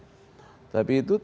tapi itu tidak pernah difaksinasi